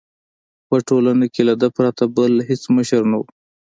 په ټولنه کې له ده پرته بل هېڅ مشر نه وو.